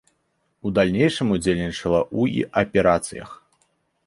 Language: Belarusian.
У далейшым ўдзельнічала ў і аперацыях.